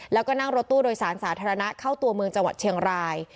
แล้วก็นั่งรถตู้โดยสารสาธารณะเข้าตัวเมืองจังหวัดเชียงราย